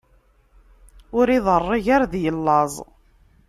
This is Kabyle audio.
Ur iḍeṛṛig ar ad yellaẓ.